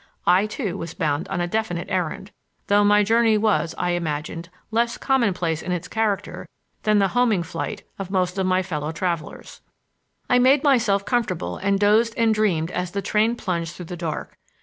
I, too, was bound on a definite errand, though my journey was, I imagined, less commonplace in its character than the homing flight of most of my fellow travelers. I made myself comfortable and dozed and dreamed as the train plunged through the dark.